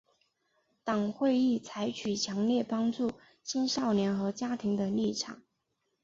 党会议采取强烈帮助青少年和家庭的立场。